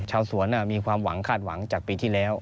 ชาวสวนมีความหวังคาดหวังจากปีที่แล้ว